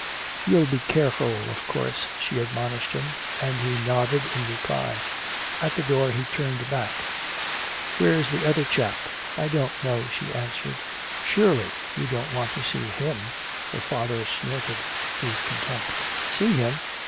"You'll be careful, of course," she admonished him, and he nodded in reply. At the door he turned back: "Where's the other chap?" "I don't know," she answered. "Surely you don't want to see him ." Her father snorted his contempt: "See him?